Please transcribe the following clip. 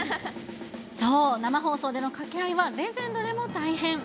そう、生放送での掛け合いはレジェンドでも大変。